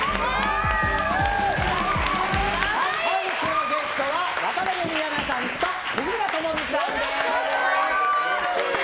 本日のゲストは渡辺美奈代さんと西村知美さんです！